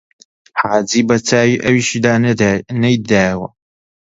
حاجی بە چاوی ئەویشیدا نەدایەوە